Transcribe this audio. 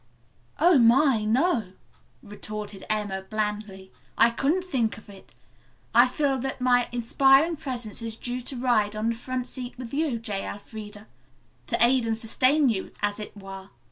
"Oh, my, no," retorted Emma blandly. "I couldn't think of it. I feel that my inspiring presence is due to ride on the front seat with you, J. Elfreda. To aid and sustain you, as it were."